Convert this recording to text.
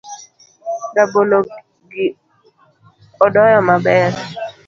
Rabolo gi odoyo maber